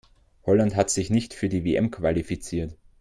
Holland hat sich nicht für die WM qualifiziert.